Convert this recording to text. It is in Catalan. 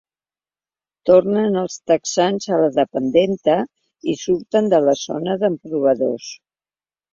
Tornen els texans a la dependenta i surten de la zona d'emprovadors.